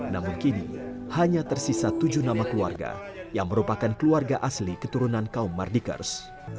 namun kini hanya tersisa tujuh nama keluarga yang merupakan keluarga asli keturunan kaum mardikers